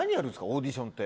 オーディションって。